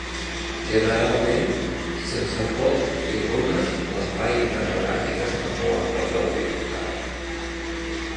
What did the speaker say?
Generalment sense pols i runes, l'espai intergalàctic està molt a prop del buit total.